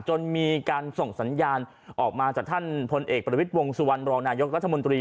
จนมีการส่งสัญญาณออกมาจากท่านพลเอกประวิทย์วงสุวรรณรองนายกรัฐมนตรี